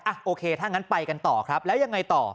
โอเคถ้างั้นไปกันต่อครับแล้วยังไงต่อ